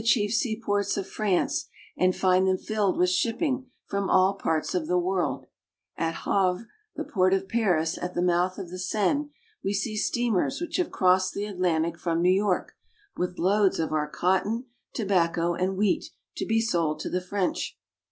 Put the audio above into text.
chief seaports of France, and find them filled with shipping from all parts of the world. At Havre, the port of Paris at the mouth of the Seine, we see steamers which have crossed the Atlantic from New York, with loads of our cotton, tobacco, ^iyL^HBL*r m&i COMMERCIAL AND MANUFACTURING FRANCE. 97 and wheat to be sold to the French.